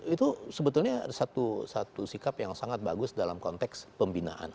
itu sebetulnya satu sikap yang sangat bagus dalam konteks pembinaan